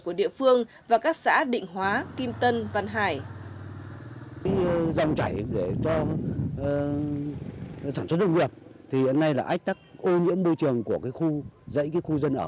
của địa phương và các xã định hóa kim tân văn hải